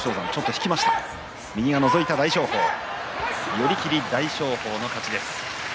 寄り切り大翔鵬の勝ちです。